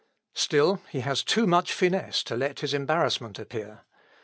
Still he has too much finesse to let his embarrassment appear.